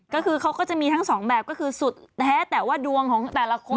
ก็คือเขาก็จะมีทั้งสองแบบก็คือสุดแท้แต่ว่าดวงของแต่ละคน